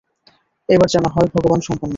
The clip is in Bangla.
এবার যেন হয়, ভগবান সম্পন্ন!